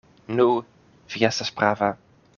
Nu, vi estas prava.